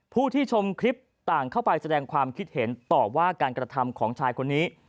ผู้ที่ชมคลิปต่างเข้าไปแสดงความคิดเห็นต่อว่าการกระทำของชายคนนี้